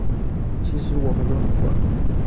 其實我們都很怪